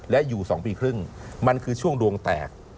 และอยู่๒ปีครึ่งมันคือช่วงดวงแตก